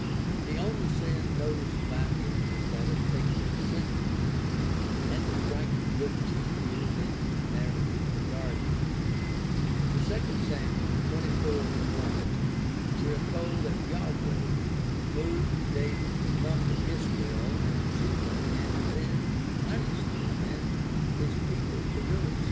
The only sin noticed by him is that of taking the census; and a striking difference appears in his narrative regarding it. In II Sam. 24:1 we are told that Yahweh moved David to number Israel and Judah and then punished him and his people for so doing.